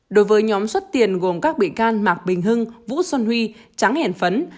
đối với nhóm xuất tiền gồm các bị can mạc bình hưng vũ xuân huy trắng hèn phấn